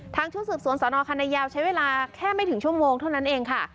ชุดสืบสวนสนคณะยาวใช้เวลาแค่ไม่ถึงชั่วโมงเท่านั้นเองค่ะ